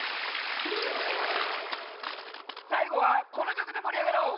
さいごはこのきょくでもりあがろう！